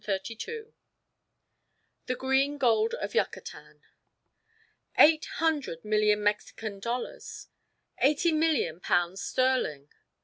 CHAPTER XXI THE GREEN GOLD OF YUCATAN Eight hundred million Mexican dollars! Eighty million pounds sterling!